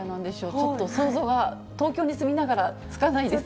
ちょっと想像が、東京に住みながらつかないです。